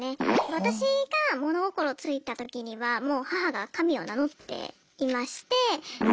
私が物心ついた時にはもう母が神を名乗っていまして。